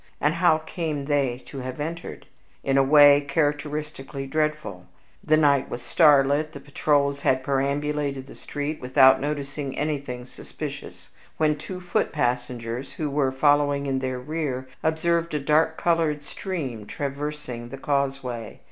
And how came they to have entered? In a way characteristically dreadful. The night was starlit; the patrols had perambulated the street without noticing anything suspicious, when two foot passengers, who were following in their rear, observed a dark colored stream traversing the causeway.